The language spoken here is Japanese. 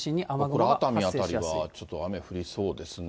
これ、熱海辺りはちょっと雨降りそうですね。